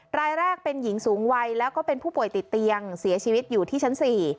รายแรกเป็นหญิงสูงวัยแล้วก็เป็นผู้ป่วยติดเตียงเสียชีวิตอยู่ที่ชั้น๔